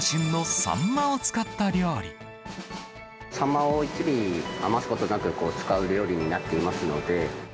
サンマを一尾余すことなく使う料理になっていますので。